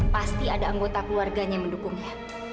pasti ada anggota keluarganya mendukungnya